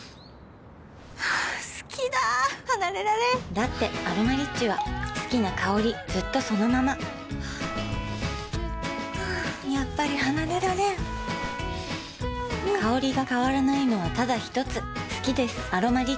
好きだ離れられんだって「アロマリッチ」は好きな香りずっとそのままやっぱり離れられん香りが変わらないのはただひとつ好きです「アロマリッチ」